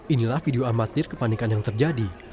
inilah video amatir kepanikan yang terjadi